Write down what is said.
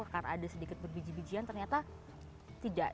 karena ada sedikit berbijian bijian ternyata tidak